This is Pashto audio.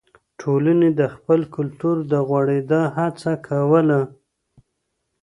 ټولني د خپل کلتور د غوړېدا هڅه کوله.